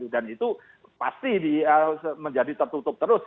dan itu pasti menjadi tertutup terus